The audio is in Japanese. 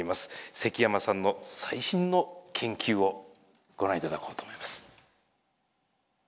積山さんの最新の研究をご覧頂こうと思います。